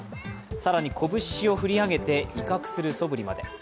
更に拳を振り上げて威嚇するそぶりまで。